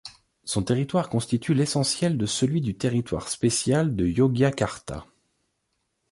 Son territoire constitue l'essentiel de celui du territoire spécial de Yogyakarta.